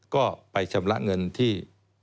ก็ไปชำระเงินที่